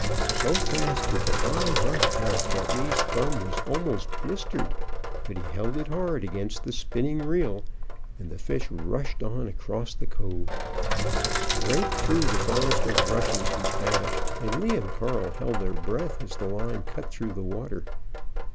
So fast did the line run out that Lee's thumb was almost blistered, but he held it hard against the spinning reel, and the fish rushed on across the cove. Straight through the forest of rushes he dashed, and Lee and Carl held their breath, as the line cut through the water.